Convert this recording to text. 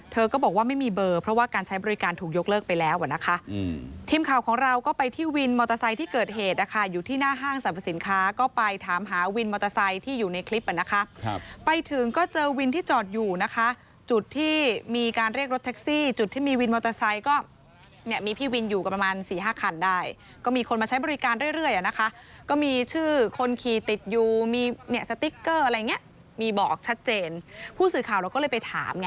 เธอก็บอกว่าไม่มีเบอร์เพราะว่าการใช้บริการถูกยกเลิกไปแล้วอ่ะนะคะทีมข่าวของเราก็ไปที่วินมอเตอร์ไซต์ที่เกิดเหตุนะคะอยู่ที่หน้าห้างสรรพสินค้าก็ไปถามหาวินมอเตอร์ไซต์ที่อยู่ในคลิปอ่ะนะคะไปถึงก็เจอวินที่จอดอยู่นะคะจุดที่มีการเรียกรถแท็กซี่จุดที่มีวินมอเตอร์ไซต์ก็เนี่ยมีพี่วินอยู่กั